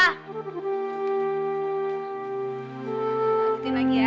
lanjutin lagi ya